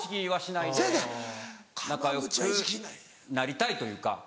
仲よくなりたいというか。